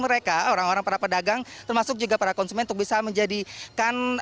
mereka orang orang para pedagang termasuk juga para konsumen untuk bisa menjadikan